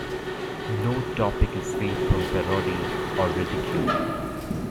No topic is safe from parody or ridicule.